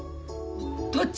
どっち？